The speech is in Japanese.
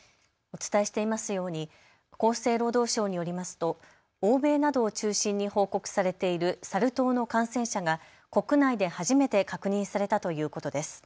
お伝えしていますように厚生労働省によりますと欧米などを中心に報告されているサル痘の感染者が国内で初めて確認されたということです。